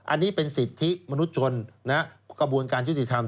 อันนี้เป็นสิทธิมนุษยชนกระบวนการยุติธรรม